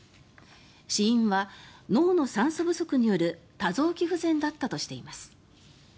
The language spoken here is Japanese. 死因は、脳の酸素不足による多臓器不全だったとしています。